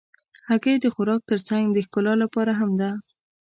هګۍ د خوراک تر څنګ د ښکلا لپاره هم ده.